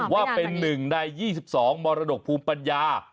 ว่าเป็น๑ใน๒๒มรดกภูมิปัญญา